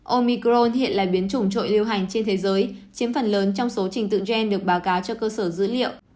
omicron hiện là biến chủng lưu hành trên thế giới chiếm phần lớn trong số trình tự gen được báo cáo cho cơ sở dữ liệu